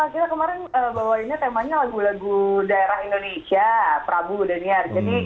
kita kemarin bawainnya temanya lagu lagu daerah indonesia prabu daniar